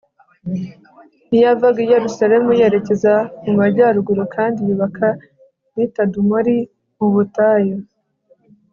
n'iyavaga i yerusalemu yerekeza mu majyaruguru, kandi yubaka n'i tadumori mu butayu